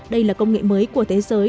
đây là công nghệ mới của thế giới